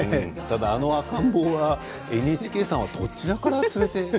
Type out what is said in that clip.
あの赤ん坊はＮＨＫさんはどちらから連れて？